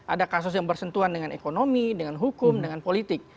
ada kasus yang bersentuhan dengan ekonomi dengan hukum dengan politik